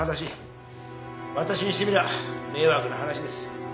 私にしてみれば迷惑な話です。